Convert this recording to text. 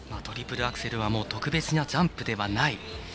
トリプルアクセルは特別なジャンプではない。